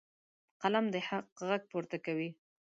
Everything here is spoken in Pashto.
قلم د حق غږ پورته کوي.